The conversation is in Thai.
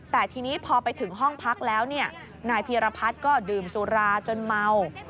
แต่ทีนี้พอไปถึงห้องพักแล้วนายพีรพัฒน์ก็ดื่มสุราจนเมา